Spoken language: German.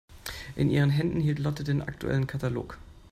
In ihren Händen hielt Lotte den aktuellen Katalog.